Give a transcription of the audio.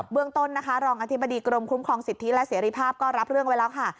เรื่องต้นนะคะรองอธิบดีกรมคุ้มครองสิทธิและเสรีภาพก็รับเรื่องไว้แล้วค่ะ